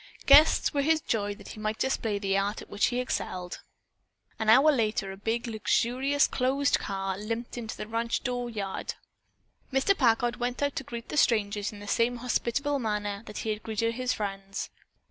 Guests were his joy that he might display the art at which he excelled. An hour later a big, luxurious closed car limped into the ranch door yard. Mr. Packard went out to greet the strangers in the same hospitable manner that he had greeted his friends.